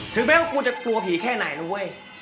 แม้ว่ากูจะกลัวผีแค่ไหนนะเว้ย